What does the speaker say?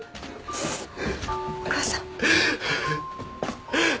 お母さん。